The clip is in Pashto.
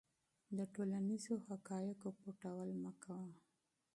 د ټولنیزو حقایقو پټول مه کوه.